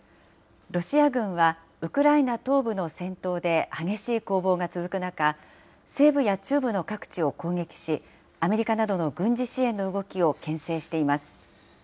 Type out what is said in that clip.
ロシア軍はウクライナ東部の戦闘で激しい攻防が続く中、西部や中部の各地を攻撃し、アメリカなどの軍事支援の動きをけん制しています。